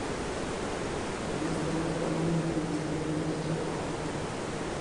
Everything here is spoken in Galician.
Non estean reclamando que o Ministerio de Industria o faga.